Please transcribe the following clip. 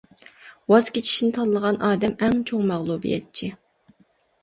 ۋاز كېچىشنى تاللىغان ئادەم ئەڭ چوڭ مەغلۇبىيەتچى.